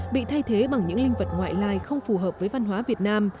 bị thay thế bằng những linh vật ngoại lai không phù hợp với văn hóa việt nam